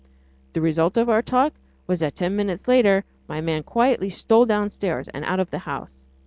The result of our talk was that ten minutes later my man quietly stole downstairs and out of the house.